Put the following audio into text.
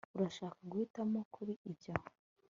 urashaka guhitamo kuri ibyo